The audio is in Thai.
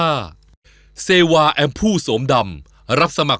ไม่จำเป็นต้องพึ่งพิธีกรรมอะไรเลย